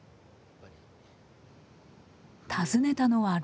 訪ねたのは６月。